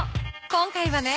今回はね